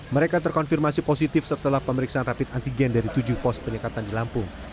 mereka terkonfirmasi positif setelah pemeriksaan rapid antigen dari tujuh pos penyekatan di lampung